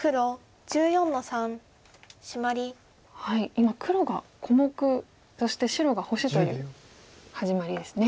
今黒が小目そして白が星という始まりですね。